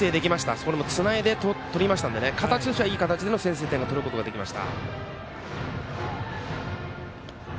それも、つないで取りましたので形としては、いい形での先制点を取ることができました。